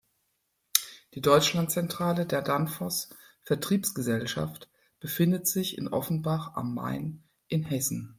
Die Deutschlandzentrale der Danfoss-Vertriebsgesellschaft befindet sich in Offenbach am Main in Hessen.